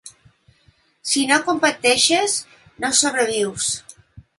Si no competeixes, no sobrevius.